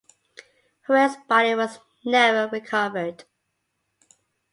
Hoey's body was never recovered.